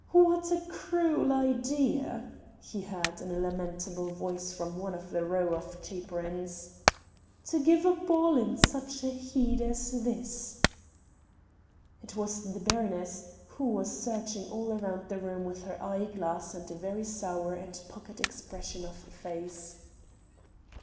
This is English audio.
"What a cruel idea!" he heard in a lamentable voice from one of a row of chaperons, "to give a ball in such heat as this!" It was the baroness, who was searching all round the room with her eye glass and a very sour and puckered expression of face.